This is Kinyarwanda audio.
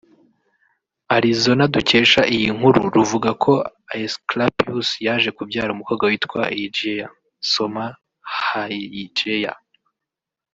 arizona dukesha iyi nkuru ruvuga ko Aesclapius yaje kubyara umukobwa witwa Hygeia (soma hayijeya)